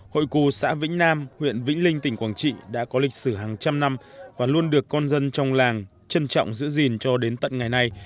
hội cù xã vĩnh nam huyện vĩnh linh tỉnh quảng trị đã có lịch sử hàng trăm năm và luôn được con dân trong làng trân trọng giữ gìn cho đến tận ngày nay